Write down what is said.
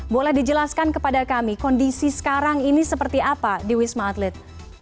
boleh dijelaskan kepada kami kondisi sekarang ini seperti apa di wisma atlet